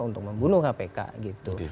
untuk membunuh kpk gitu